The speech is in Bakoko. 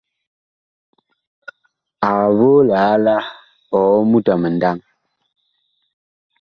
Ag voo liala ɔɔ mut a mindaŋ.